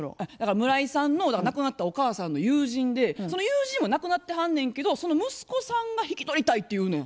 村井さんの亡くなったお母さんの友人でその友人は亡くなってはんねんけどその息子さんが引き取りたいって言うねん。